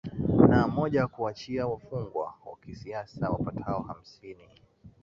na moja kuwaachia wafungwa wa kisiasa wapatao hamsini